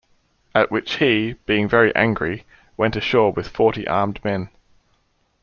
At which he, being very angry, went ashore with forty armed men.